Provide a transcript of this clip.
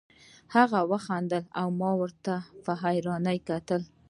هغه خندل او ما ورته حيران کتل.